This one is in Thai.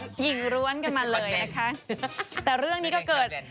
หญิงร้วนกันมาเลยนะคะแต่เรื่องนี้ก็เกิด